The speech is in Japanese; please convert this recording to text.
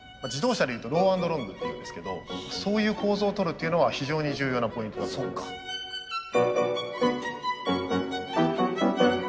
自動車でいうとロー＆ロングっていうんですけどそういう構造をとるっていうのは非常に重要なポイントだと思います。